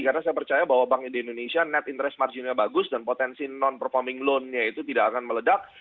karena saya percaya bahwa banknya di indonesia net interest margin nya bagus dan potensi non performing loan nya itu tidak akan meledak